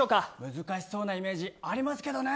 難しそうなイメージありますけどね。